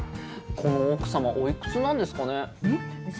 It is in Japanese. この奥様おいくつなんですかね？